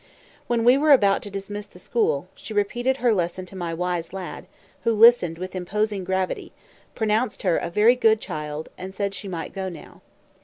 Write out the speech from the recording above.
When we were about to dismiss the school, she repeated her lesson to my wise lad, who listened with imposing gravity, pronounced her a "very good child," and said she might go now.